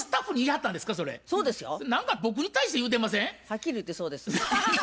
はっきり言ってそうです。